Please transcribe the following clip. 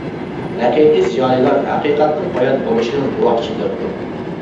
ھەقىقىي زىيالىيلار ھەقىقەتنىڭ ئايان بولۇشىنىڭ گۇۋاھچىلىرىدۇر.